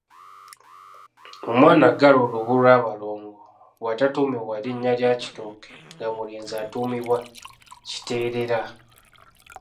Omwana aggala olubu lw’abalongo bw’atatuumibwa linnya lya Kitooke nga mulenzi atuumibwa Kiteerera.